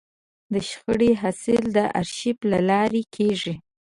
د شخړې حل د ارشیف له لارې کېږي.